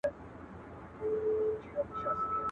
تاریخي خواړه د سیمو مطابق توپیر لري.